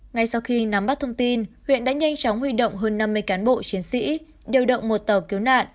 ngay sau khi nắm bắt thông tin huyện đã nhanh chóng huy động hơn năm mươi cán bộ chiến sĩ điều động một tàu cứu nạn